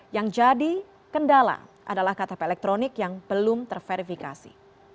yang jadi kendala adalah ktp elektronik yang belum terverifikasi